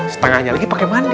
setengahnya lagi pakai mandi